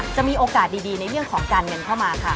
จะมีโอกาสดีในเรื่องของการเงินเข้ามาค่ะ